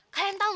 kalian tau gak